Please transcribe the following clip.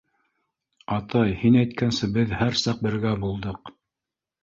— Атай, һин әйткәнсә, беҙ һәр саҡ бергә булдыҡ.